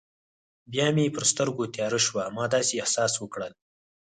بیا مې پر سترګو تیاره شوه، ما داسې احساس وکړل.